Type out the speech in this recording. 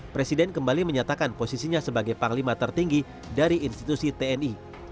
presiden kembali menyatakan posisinya sebagai panglima tertinggi dari institusi tni